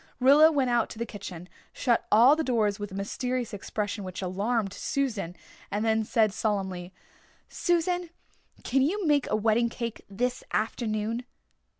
Rilla went out to the kitchen, shut all the doors with a mysterious expression which alarmed Susan, and then said solemnly, "Susan can you make a wedding cake this afternoon?"